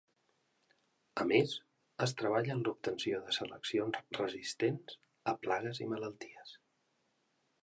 A més, es treballa en l’obtenció de seleccions resistents a plagues i malalties.